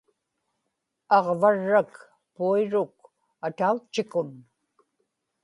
aġvarrak puiruk atautchikun